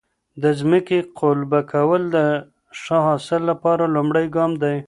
د ځمکې قلبه کول د ښه حاصل لپاره لومړی ګام دی.